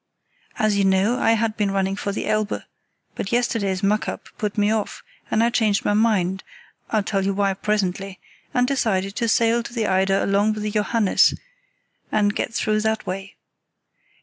As you know, I had been running for the Elbe, but yesterday's muck up put me off, and I changed my mind—I'll tell you why presently—and decided to sail to the Eider along with the Johannes and get through that way.